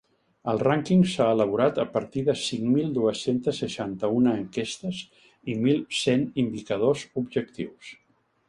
El rànquing s’ha elaborat a partir de cinc mil dues-centes seixanta-una enquestes i mil cent indicadors objectius.